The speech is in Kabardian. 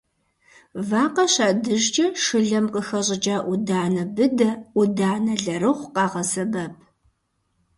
Вакъэ щадыжкӏэ шылэм къыхэщӏыкӏа ӏуданэ быдэ, ӏуданэ лэрыгъу къагъэсэбэп.